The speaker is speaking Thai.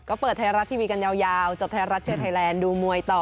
ก็เปิดไทรัจทีวีกันยาวจบไทรัจเมืองขีดไทยแลนดูมวยต่อ